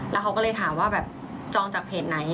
แล้วเขาก็เลยถามว่าแบบจองจากเพจไหน